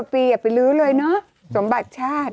ปีอย่าไปลื้อเลยเนอะสมบัติชาติ